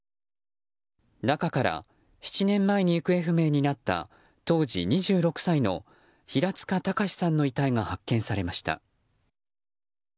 中から７年前に行方不明になった当時２６歳の平塚崇さんの遺体が発見されました。